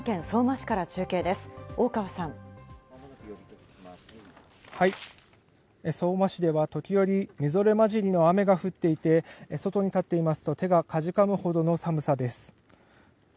相馬市では時折みぞれまじりの雨が降っていて外に立っていますと、手がかじかむほどの寒さです。